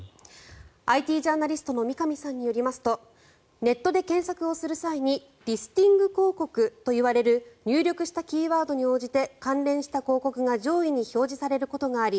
ＩＴジャーナリストの三上さんによりますとネットで検索をする際にリスティング広告といわれる入力したキーワードに応じて関連した広告が上位に表示されることがあり